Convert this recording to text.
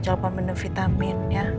jalur pembendung vitamin ya